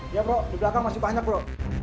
dia bro di belakang masih banyak bro